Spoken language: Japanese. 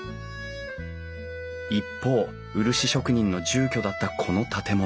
一方漆職人の住居だったこの建物。